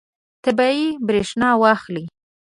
طبیعي برېښنا واخلئ.